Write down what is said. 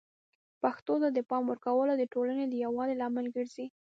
پښتو ته د پام ورکول د ټولنې د یووالي لامل ګرځي.